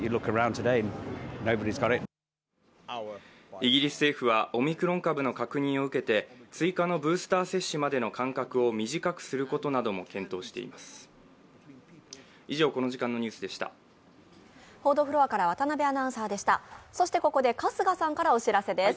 イギリス政府は、オミクロン株の確認を受けて追加のブースター接種までの間隔を短くすることなども検討しています。